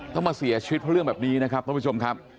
ต้องมาเสียชีวิตเพราะเรื่องแบบนี้นะครับท่านผู้ชมครับ